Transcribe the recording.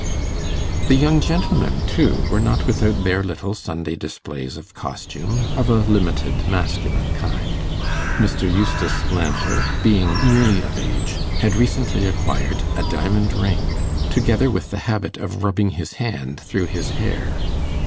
The young gentlemen, too, were not without their little Sunday displays of costume, of a limited masculine kind. Mr. Eustace Landor, being nearly of age, had recently acquired a diamond ring, together with the habit of rubbing his hand through his hair.